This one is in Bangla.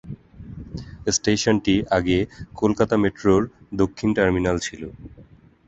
স্টেশনটি আগে কলকাতা মেট্রোর দক্ষিণ টার্মিনাল ছিল।